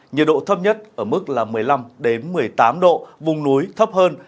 nhiệt độ thấp nhất ở mức một mươi năm một mươi tám độ vùng núi thấp hơn